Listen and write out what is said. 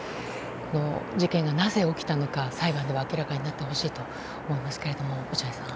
この事件がなぜ起きたのか裁判では明らかになってほしいと思いますが、落合さん。